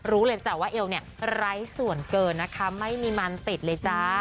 รู้เลยจ้ะว่าเอวเนี่ยไร้ส่วนเกินนะคะไม่มีมันติดเลยจ้า